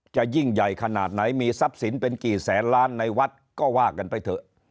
จะยิ่งใหญ่ขนาดไหนมีทรัพย์สินเป็นกี่แสนล้านในวัดก็ว่ากันไปเถอะ